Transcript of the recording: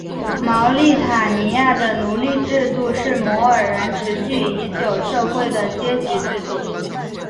茅利塔尼亚的奴隶制度是摩尔人持续已久社会的阶级制度。